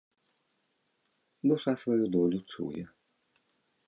Душа сваю долю чуе.